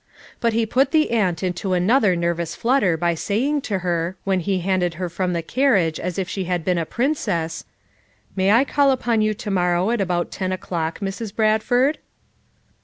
But he put the aunt into another nerv ous flutter by saying to her, when he handed her from the carriage as if she had been a princess, "May I call upon you to morrow at about ten o'clock, Mrs. Bradford?"